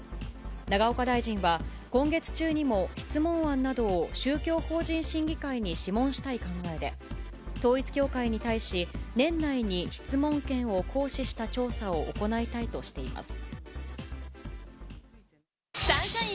永岡大臣は、今月中にも質問案などを宗教法人審議会に諮問したい考えで、統一教会に対し、年内に質問権を行使した調査を行いたいとしています。